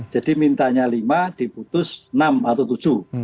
jadi mintanya lima diputus enam atau tujuh